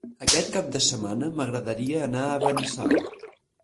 Aquest cap de setmana m'agradaria anar a Benasau.